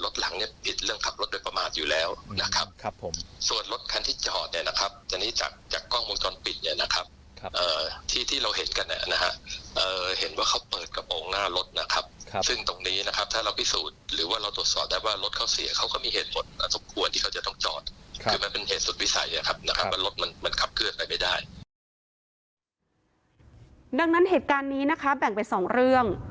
ดังนั้นเหตุการณ์นี้นะคะแบ่งเป็น๒เรื่อง